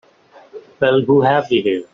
Well who have we here?